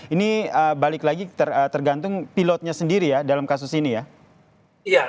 ini balik lagi tergantung pilotnya sendiri ya dalam kasus ini ya